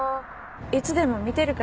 「いつでも見てるから」